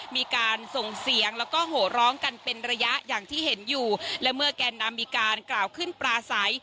มีการส่งเสียงแล้วก็โหร้องกันเป็นระยะอย่างที่เห็นอยู่และเมื่อแกนนำมีการกล่าวขึ้นปลาใส